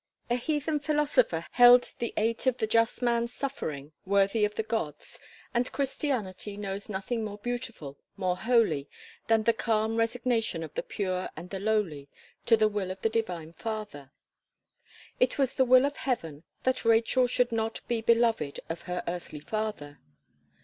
A Heathen philosopher held the eight of the just man's suffering, worthy of the Gods, and Christianity knows nothing more beautiful, more holy, than the calm resignation of the pure and the lowly, to the will of their Divine Father. It was the will of Heaven that Rachel should not be beloved of her earthly father.